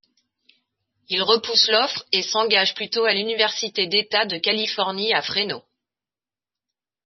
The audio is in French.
Il repousse l'offre et s'engage plutôt à l'Université d'État de Californie à Fresno.